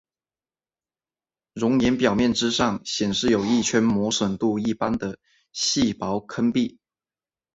熔岩表面之上显示有一圈磨损度一般的细薄坑壁。